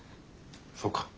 そうか。